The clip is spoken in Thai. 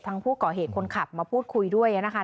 ผู้ก่อเหตุคนขับมาพูดคุยด้วยนะคะ